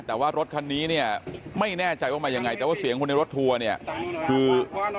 แต่ว่ารถคันนี้เนี่ยไม่แน่ใจว่ามายังไงแต่ว่าเสียงคนในรถทัวร์เนี่ยคือ